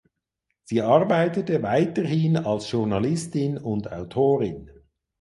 Sie arbeitete weiterhin als Journalistin und Autorin.